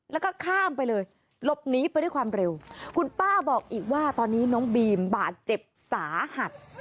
แล้วก็ข้ามไปเลยหลบหนีไปด้วยความเร็วคุณป้าบอกอีกว่าตอนนี้น้องบีมบาดเจ็บสาหัส